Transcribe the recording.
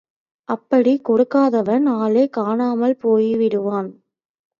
அப்படிக் கொடுக்காதவன் ஆளே காணாமல் போய்விடுவான்.